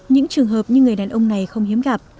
những trường hợp như người đàn ông này không hiếm gặp